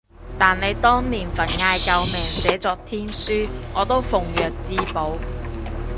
但你當年份嗌救命寫作天書，我都奉若至寶